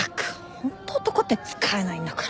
ホント男って使えないんだから。